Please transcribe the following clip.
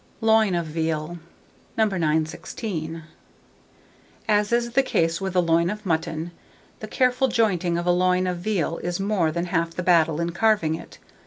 LOIN OF VEAL. [Illustration: LOIN OF VEAL.] 916. As is the case with a loin of mutton, the careful jointing of a loin of veal is more than half the battle in carving it.